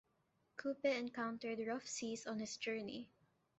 Kupe encountered rough seas on his journey.